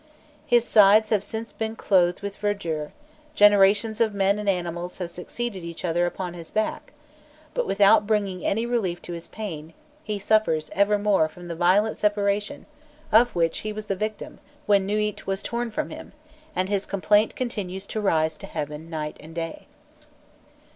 His sides have since been clothed with verdure, generations of men and animals have succeeded each other upon his back, but without bringing any relief to his pain; he suffers evermore from the violent separation of which he was the victim when Nûît was torn from him, and his complaint continues to rise to heaven night and day.